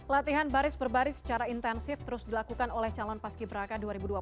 latihan baris per baris secara intensif terus dilakukan oleh calon pas ki braka dua ribu dua puluh tiga